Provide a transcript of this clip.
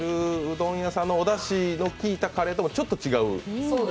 うどん屋さんのおだしの効いたカレーともちょっと違う？